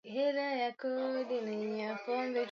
tunaanza kuamuka pole pole pia